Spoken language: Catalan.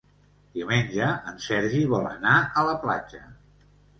Diumenge en Sergi vol anar a la platja.